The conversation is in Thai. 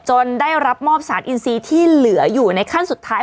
ได้รับมอบสารอินซีที่เหลืออยู่ในขั้นสุดท้าย